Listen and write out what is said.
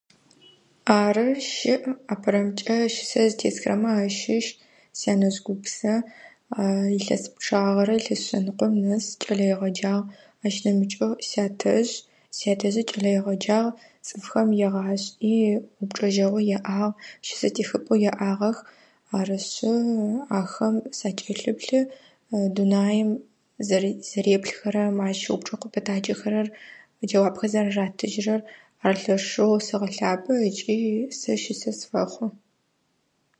Ары щыӀ. АпэрэмкӀэ щысэ зытесхырэмэ ащыщ сянэжъ гупсэ. Илъэс пчъагъэрэ, илъэс шъэныкъом нэс, кӀэлэегъэджагъ. Ащ нэмыкӀэу сятэжъ, сятэжъи кӀэлэегъэджагъ. ЦӀыфхэм егъашӀи упчӀэжьэгъоу яӀагъ, щысэтехыпӀэу яӀагъэх. Арышъы, ахэм сакӀэлъыплъы, дунаим [unintelligible] зэреплъыхэрэм упчӀэу къыпэтаджэхэрэр, джэуапхэр зэрыратыжьырэр, ар лъэшэу сэгъэлъапӀэ ыкӀи сэ щысэ сфэхъу.